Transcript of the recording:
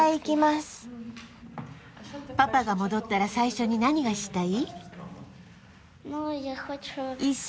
パパが戻ったら最初に何をしたい？